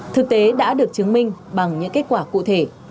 thực tế đã được chứng minh bằng những kết quả cụ thể